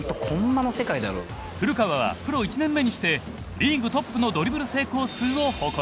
古川はプロ１年目にしてリーグトップのドリブル成功数を誇った。